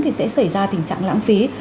thì sẽ xảy ra tình trạng lãng phí